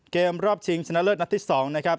เกมรอบชิงชนะเลิศนัดที่๒นะครับ